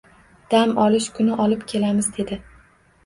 Dam olish kuni olib kelamiz dedi